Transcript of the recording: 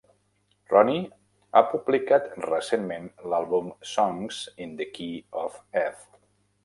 Ronnie ha publicat recentment l'àlbum "Songs in the Key of F".